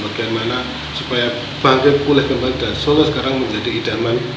bagaimana supaya bangkit pulih kembali dan solo sekarang menjadi idaman